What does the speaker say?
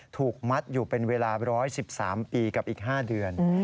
ถูกมัดอยู่เป็นเวลา๑๑๓ปีกับอีก๕เดือน